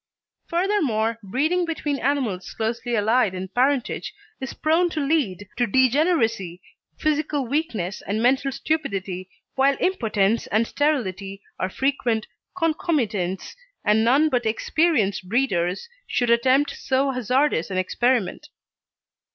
Furthermore, breeding between animals closely allied in parentage is prone to lead to degeneracy, physical weakness, and mental stupidity, while impotence and sterility are frequent concomitants, and none but experienced breeders should attempt so hazardous an experiment.